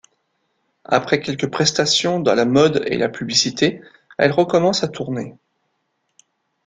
Après quelques prestations dans la mode et la publicité, elle recommence à tourner.